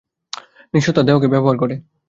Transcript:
নিজ সত্তার দেহকে ব্যবহার করে।